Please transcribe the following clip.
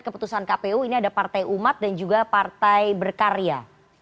keputusan kpu ini ada partai umat dan juga partai berkarya